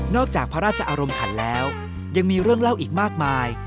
จากพระราชอารมณ์ขันแล้วยังมีเรื่องเล่าอีกมากมาย